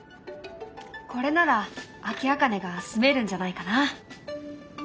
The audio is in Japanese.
これならアキアカネがすめるんじゃないかな。